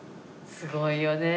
すごいよね。